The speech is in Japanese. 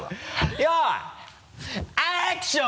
よいアクション！